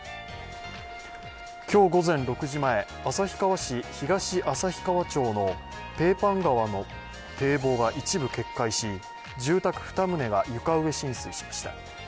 今日午前６時前、旭川市東旭川町のペーパン川の堤防が一部決壊し住宅２棟が床上浸水しました。